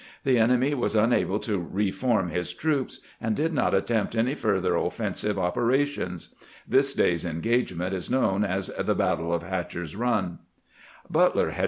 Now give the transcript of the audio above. The enemy was unable to reform his troops, and did not attempt any further offensive oper ations. This day's engagement is known as the battle of Hatcher's Run. DISCUSSING THE MAECH TO THE SE>, 313 Butler had.